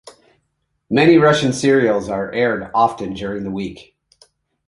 Many Russian serials are aired often during the week.